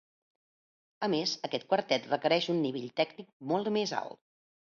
A més, aquest quartet requereix un nivell tècnic molt més alt.